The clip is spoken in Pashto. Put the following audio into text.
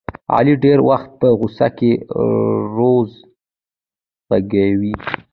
علي ډېری وخت په غوسه کې روض غږوي.